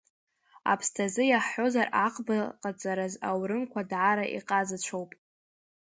Аԥсаҭазы иаҳҳәозар, аӷбаҟаҵараз аурымқәа даара иҟазацәоуп…